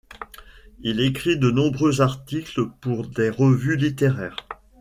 Il écrit de nombreux articles pour des revues littéraires.